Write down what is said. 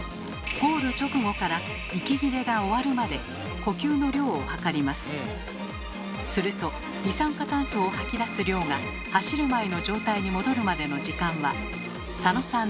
ゴール直後からすると二酸化炭素を吐き出す量が走る前の状態に戻るまでの時間は佐野さん